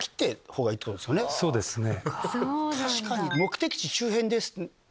そうですね。